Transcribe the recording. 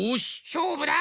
しょうぶだ！